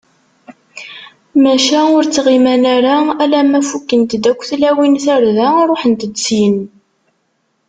Maca ur ttɣiman ara, alamma fukkent-d akk tlawin tarda, ṛuḥent-d syin.